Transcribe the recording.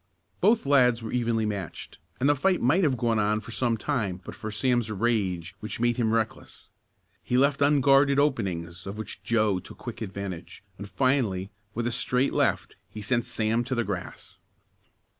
Both lads were evenly matched and the fight might have gone on for some time but for Sam's rage which made him reckless. He left unguarded openings of which Joe took quick advantage, and finally, with a straight left, he sent Sam to the grass.